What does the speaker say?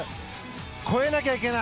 超えなきゃいけない。